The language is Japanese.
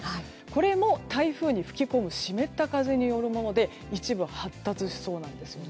これも、台風に吹き込む湿った風によるもので一部発達しそうなんです。